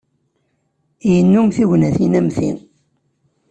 Yennum tignatin am ti.